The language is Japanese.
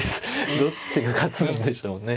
どっちが勝つんでしょうね。